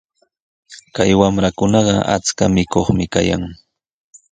Kay wamrakunaqa achka mikuqmi kayan.